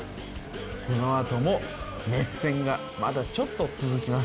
この後も熱戦がまだちょっと続きます。